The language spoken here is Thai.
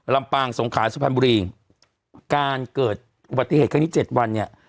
ลำปางสงขาสุพรรณบุรีการเกิดอุบัติเหตุครั้งนี้เจ็ดวันเนี่ย